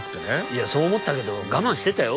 いやそう思ったけど我慢してたよ？